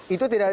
itu tidak jadi